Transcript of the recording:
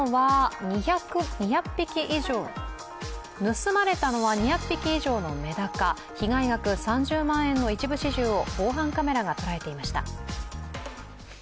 盗まれたのは２００匹以上のメダカ被害額３０万円の一部始終を防犯カメラがとらえていました。